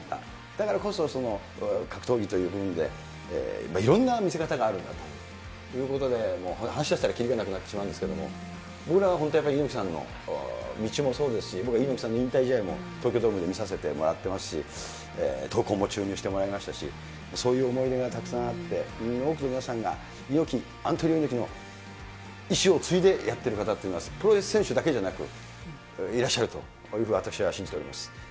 だからこそ、格闘技という部分で、いろんな見せ方があるんだということで、話し出したら切りがなくなってしまうんですけれども、僕らは本当に猪木さんの道もそうですし、僕、猪木さんの引退試合も東京ドームで見させてもらってますし、闘魂も注入してもらいましたし、そういう思い出がたくさんあって、多くの皆さんが猪木、アントニオ猪木の遺志を継いでやってる方っていうのは、プロレス選手だけじゃなく、いらっしゃると、私は信じております。